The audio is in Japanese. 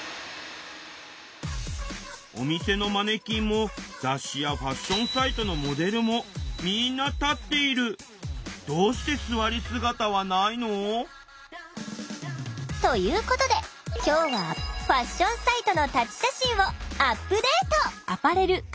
お店のマネキンも雑誌やファッションサイトのモデルもどうして「座り姿」はないの？ということで今日はファッションサイトの「立ち写真」をアップデート。